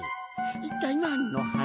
いったいなんのはなしを？